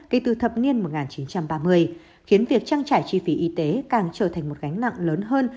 kể từ thập niên một nghìn chín trăm ba mươi khiến việc trang trải chi phí y tế càng trở thành một gánh nặng lớn hơn